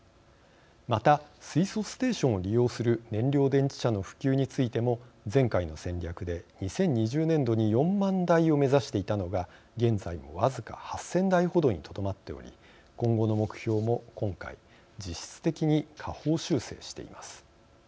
また水素ステーションを利用する燃料電池車の普及についても前回の戦略で２０２０年度に４万台を目指していたのが現在も僅か８０００台程にとどまっており今後の目標も今回実質的に下方修正しています。